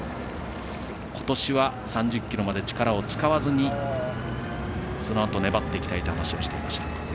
今年は３０ｋｍまで力を使わずにそのあと、粘っていきたいという話をしていました。